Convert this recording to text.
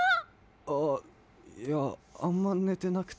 ああいやあんまねてなくて。